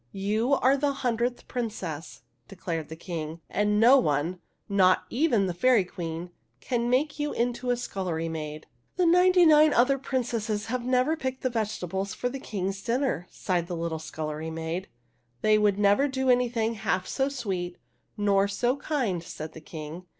"You are the hundredth Princess," de clared the King ;" and no one, not even the Fairy Queen, can make you into a scullery maid." " The ninety nine other princesses have never picked the vegetables for the King's dinner," sighed the little scullery maid. "They would never do anything half so sweet nor so kind," said the King.